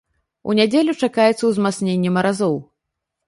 У нядзелю чакаецца ўзмацненне маразоў.